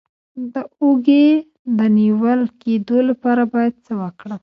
د اوږې د نیول کیدو لپاره باید څه وکړم؟